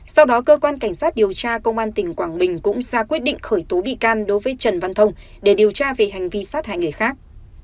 sau đó cơ quan cảnh sát điều tra công an tỉnh quảng bình cũng ra quyết định khởi tố bị can đối với trần văn thông để điều tra về hành vi sát hại người khác